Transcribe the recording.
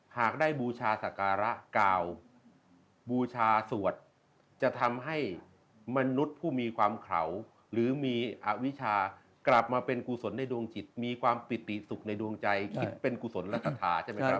หากได้บูชาสการะกาวบูชาสวดจะทำให้มนุษย์ผู้มีความเขาหรือมีอวิชากลับมาเป็นกุศลในดวงจิตมีความปิติสุขในดวงใจคิดเป็นกุศลและคาถาใช่ไหมครับ